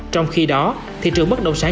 trong khi đó thị trường bất động sản